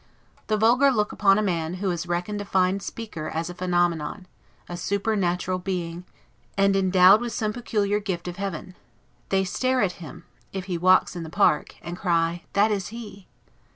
The vulgar look upon a man, who is reckoned a fine speaker, as a phenomenon, a supernatural being, and endowed with some peculiar gift of heaven; they stare at him, if he walks in the Park, and cry, THAT IS HE.